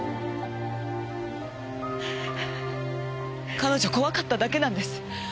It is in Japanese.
彼女怖かっただけなんです。